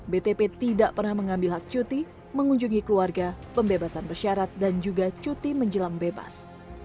btp tidak pernah mengambil hak cuti mengunjungi keluarga pembebasan bersyarat dan juga cuti menjelang bebas